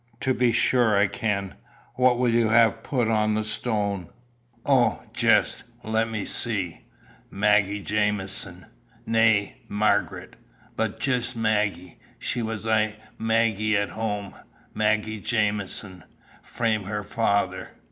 "To be sure I can. What will you have put on the stone?" "Ow jist let me see Maggie Jamieson nae Marget, but jist Maggie. She was aye Maggie at home. Maggie Jamieson, frae her father.